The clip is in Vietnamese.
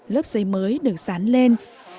lớp giấy mới được sán lên